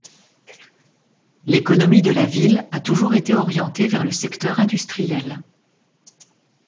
L'économie de la ville a toujours été orientée vers le secteur industriel.